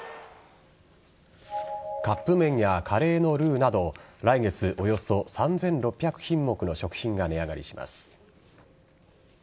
カップ麺やカレーのルーなど来月およそ３６００品目の食品が値上がりします。